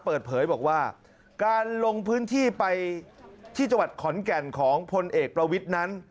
เปิดเผยบอกว่าการลงพื้นที่ไปที่จังหวัดขอนแก่นของพลเอกประวิทย์นั้น